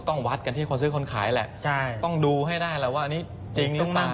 ต้องวัดกันที่คนซื้อคนขายแหละต้องดูให้ได้แล้วว่าอันนี้จริงหรือเปล่า